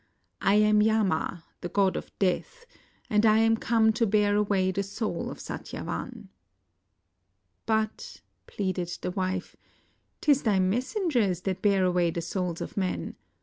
"I am Yama, the god of death, and I am come to bear away the soul of Satyavan." "But," pleaded the "^ife. " 't is thy messengers that bear away the souls of men.